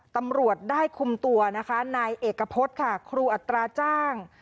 ตำรวจได้คุมตัวนะคะนายเอกพฤษค่ะครูอัตราจ้าง